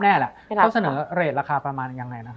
มันทำให้ชีวิตผู้มันไปไม่รอด